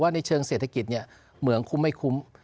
ในเชิงเศรษฐกิจเมืองคุ้มไม่คุ้ม